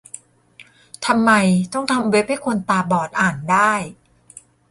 ทำไมต้องทำเว็บให้คนตาบอดอ่านได้ ?